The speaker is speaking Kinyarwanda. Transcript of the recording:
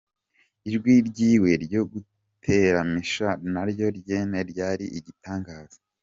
Ijwi ryiwe ryo guteramisha na ryo nyene ryari igitangaza.